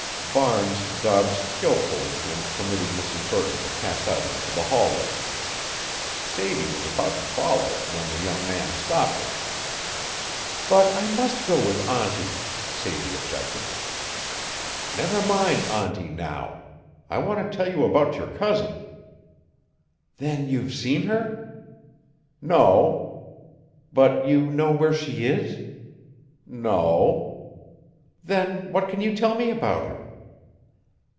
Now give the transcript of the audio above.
Barnes dodged skilfully and permitted Mrs. Burton to pass out into the hallway. Sadie was about to follow when the young man stopped her. "But I must go with auntie," Sadie objected. "Never mind auntie now. I want to tell you about your cousin." "Then you've seen her?" "No." "But you know where she is?" "No." "Then what can you tell me about her?"